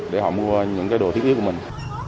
để họ mua những đồ thiết yếu của mình